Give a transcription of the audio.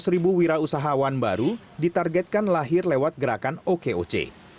dua ratus ribu wirausahawan baru ditargetkan lahir lewat gerakan okoc